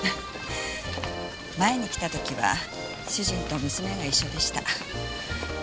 前に来た時は主人と娘が一緒でした。